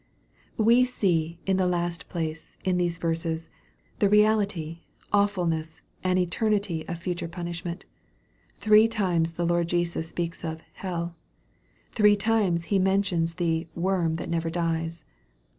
We see, in the last place, in these verses, the reality, awfulness, and eternity of future punishment. Three times the Lord Jesus speaks of " hell." Three times He men tions the " worm that never dies."